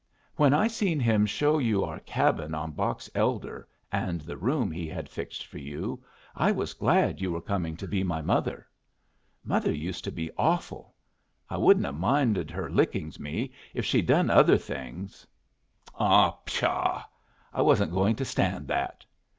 When I seen him show you our cabin on Box Elder, and the room he had fixed for you, I was glad you were coming to be my mother. Mother used to be awful. I wouldn't 'a' minded her licking me if she'd done other things. Ah, pshaw! I wasn't going to stand that."